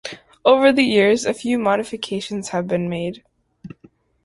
Over the years, a few modifications have been made.